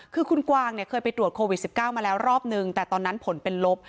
คือคุณกวางเนี่ยเคยไปตรวจโควิด๑๙มาแล้วรอบนึงแต่ตอนนั้นผลเป็นลบ